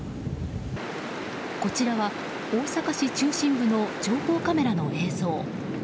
こちらは大阪市中心部の情報カメラの映像。